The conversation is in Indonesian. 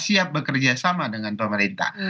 siap bekerja sama dengan pemerintah